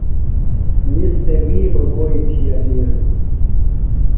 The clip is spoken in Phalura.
نِس تھےۡ وی بہ گوئی تھی اٹِیڑ۔